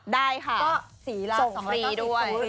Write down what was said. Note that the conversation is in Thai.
ได้ค่ะก็หรือส่งฟรีด้วย